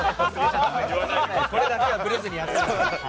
これだけはぶれずにやってます。